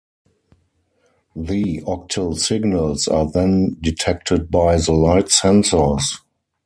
The octal signals are then detected by the light sensors.